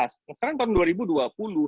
sekarang tahun dua ribu dua puluh